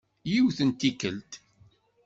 Yiwet n tikkelt.